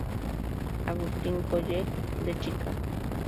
Augustine College de Chicago.